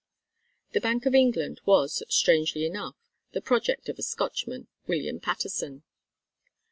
The Bank of England was, strangely enough, the project of a Scotchman, William Paterson.